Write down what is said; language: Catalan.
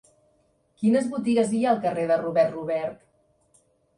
Quines botigues hi ha al carrer de Robert Robert?